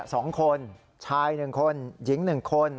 สองคนชายหนึ่งคนหญิงหนึ่งคน